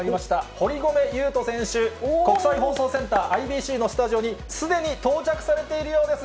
堀米雄斗選手、国際放送センター・ＩＢＣのスタジオに、すでに到着されているようです。